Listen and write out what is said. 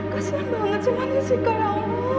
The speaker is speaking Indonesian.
kasian banget semua jessica ya allah